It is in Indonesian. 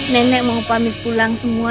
nenek mau pamit pulang semua